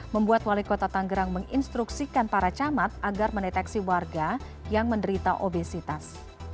membuat wali kota tanggerang menginstruksikan para camat agar mendeteksi warga yang menderita obesitas